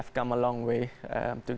telah menuju jalan yang panjang untuk